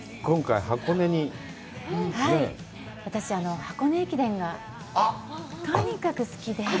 今回、箱根にね。私、箱根駅伝がとにかく好きで。